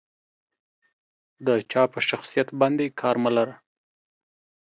د جا په شخصيت باندې کار مه لره.